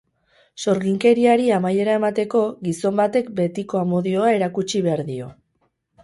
Sorginkeriari amaiera emateko, gizon batek betiko amodioa erakutsi behar dio.